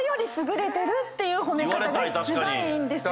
ていう褒め方が一番いいんです。